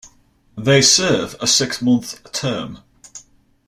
They serve a six-month term.